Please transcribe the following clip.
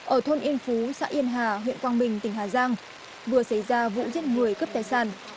ở thôn yên phú xã yên hà huyện quang bình tỉnh hà giang vừa xảy ra vụ giết người cướp tài sản